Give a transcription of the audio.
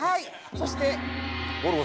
そして。